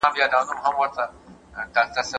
انار د وینې لپاره ګټور دی؟